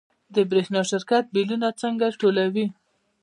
د برښنا شرکت بیلونه څنګه ټولوي؟